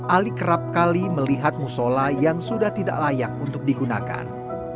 ali kerap kali melihat musola yang sudah tidak layak untuk digunakan